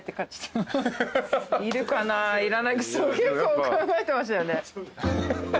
いるかないらない結構考えてましたよね。